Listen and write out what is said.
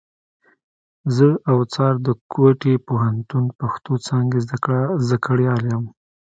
زه اوڅار د کوټي پوهنتون پښتو څانګي زدهکړيال یم.